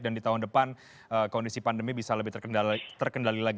dan di tahun depan kondisi pandemi bisa lebih terkendali lagi